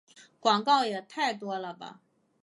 广告也太多了吧